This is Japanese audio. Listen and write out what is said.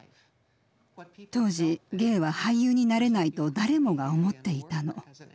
当時ゲイは俳優になれないと誰もが思っていたの。